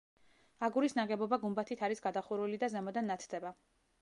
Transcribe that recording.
აგურის ნაგებობა გუმბათით არის გადახურული და ზემოდან ნათდება.